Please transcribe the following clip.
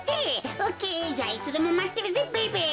オッケーじゃあいつでもまってるぜベイベー。